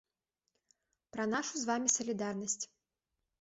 Пра нашу з вамі салідарнасць.